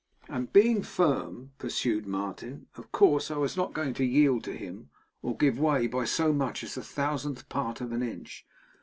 'And being firm,' pursued Martin, 'of course I was not going to yield to him, or give way by so much as the thousandth part of an inch.